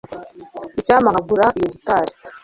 icyampa nkagura iyo gitari